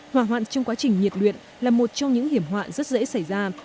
hỏa hoạn trong quá trình nhiệt luyện là một trong những hiểm họa rất dễ xảy ra